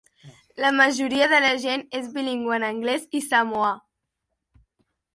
La majoria de la gent és bilingüe en anglès i samoà.